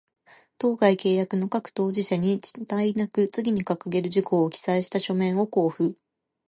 当該契約の各当事者に、遅滞なく、次に掲げる事項を記載した書面を交付